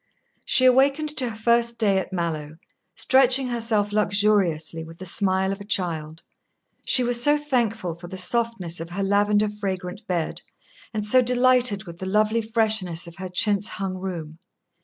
She awakened to her first day at Mallowe, stretching herself luxuriously, with the smile of a child. She was so thankful for the softness of her lavender fragrant bed, and so delighted with the lovely freshness of her chintz hung room.